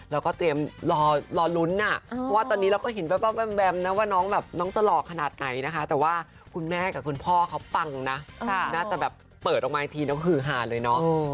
เราก็เตรียมรอลุ้นว่าตอนนี้เราก็เห็นแว๊บนะว่าน้องแบบน้องจะหล่อขนาดไหนนะคะแต่ว่าคุณแม่กับคุณพ่อเขาปังนะน่าจะแบบเปิดออกมาอีกทีน้องหือหาเลยเนาะ